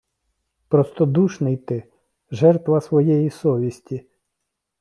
Простодушний ти, жертва своєї совісті.